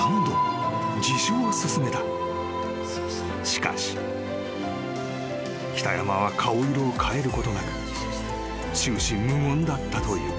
［しかし］［北山は顔色を変えることなく終始無言だったという］